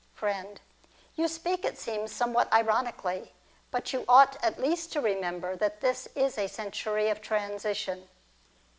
Friend. You speak, it seems, somewhat ironically. But you ought at least to remember that this is a century of transition.